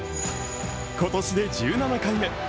今年で１７回目。